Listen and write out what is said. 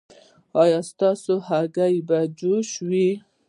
ایا ستاسو هګۍ به جوش وي؟